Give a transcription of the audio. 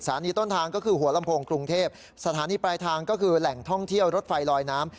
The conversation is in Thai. ต้นทางก็คือหัวลำโพงกรุงเทพสถานีปลายทางก็คือแหล่งท่องเที่ยวรถไฟลอยน้ำ